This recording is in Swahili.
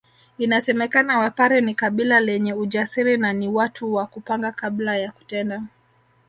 Inasemekana Wapare ni kabila lenye ujasiri na ni watu wa kupanga kabla ya kutenda